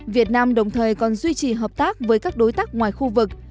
việt nam đồng thời còn duy trì hợp tác với các đối tác ngoài khu vực